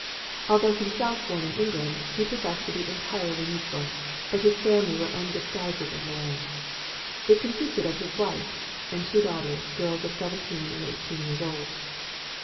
Although himself born in England, he professed to be entirely neutral, but his family were undisguisedly loyal. It consisted of his wife and two daughters, girls of seventeen and eighteen years old.